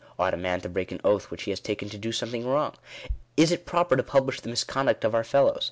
Ought a man to break an oath which he has taken to do something wrong ? Is it proper to publish the misconduct of our fellows?